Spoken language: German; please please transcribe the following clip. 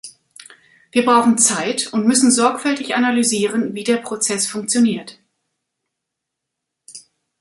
Wir brauchen Zeit und müssen sorgfältig analysieren, wie der Prozess funktioniert.